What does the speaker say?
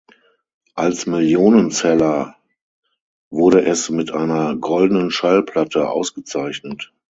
Als Millionenseller wurde es mit einer Goldenen Schallplatte ausgezeichnet.